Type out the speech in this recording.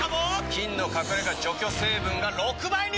菌の隠れ家除去成分が６倍に！